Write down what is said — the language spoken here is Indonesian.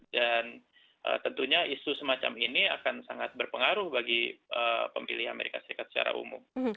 dan tentunya isu semacam ini akan sangat berpengaruh bagi pemilih amerika serikat secara umum